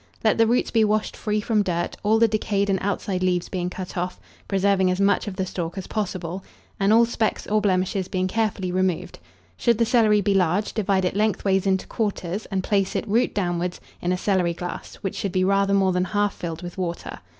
Let the roots be washed free from dirt, all the decayed and outside leaves being cut off, preserving as much of the stalk as possible, and all specks or blemishes being carefully removed. Should the celery be large, divide it lengthwise into quarters, and place it, root downwards, in a celery glass, which should be rather more than half filled with water.